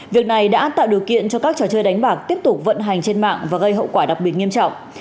việc này đã tạo điều kiện cho các trò chơi đánh bạc tiếp tục vận hành trên mạng và gây hậu quả đặc biệt nghiêm trọng